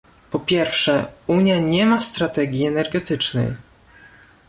Po pierwsze, Unia nie ma strategii energetycznej